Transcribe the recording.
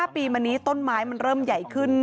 ปีมานี้ต้นไม้มันเริ่มใหญ่ขึ้น